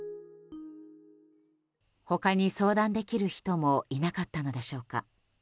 他に相談できる人もいなかったのでしょうか。